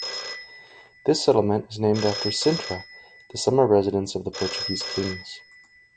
The settlement is named after Sintra, the summer residence of the Portuguese kings.